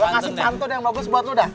masih pantun yang bagus buat lo dah